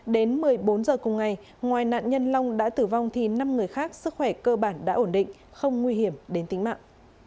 đến một mươi bốn h cùng ngày ngoài nạn nhân long đã tử vong thì năm người khác sức khỏe cơ bản đã ổn định không nguy hiểm đến tính mạng